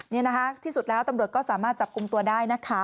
นี่นะคะที่สุดแล้วตำรวจก็สามารถจับกลุ่มตัวได้นะคะ